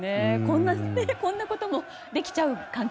こんなこともできちゃう関係性。